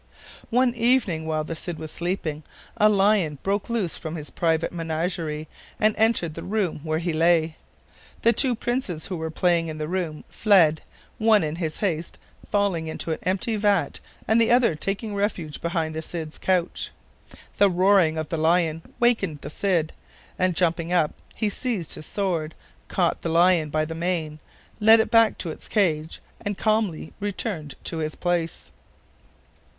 One evening while the Cid was sleeping, a lion broke loose from his private menagerie and entered the room where he lay. The two princes, who were playing in the room, fled, one in his haste falling into an empty vat, and the other taking refuge behind the Cid's couch. The roaring of the lion wakened the Cid, and jumping up he seized his sword, caught the lion by the mane, led it back to its cage, and calmly returned to his place.